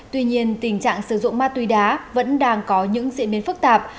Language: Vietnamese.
tuy nhiên tình trạng sử dụng ma túy đá vẫn đang có những diễn biến phức tạp